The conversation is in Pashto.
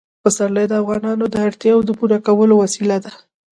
پسرلی د افغانانو د اړتیاوو د پوره کولو وسیله ده.